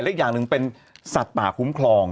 อีกอย่างหนึ่งเป็นสัตว์ป่าคุ้มครอง